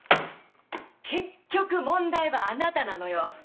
結局問題はあなたなのよ。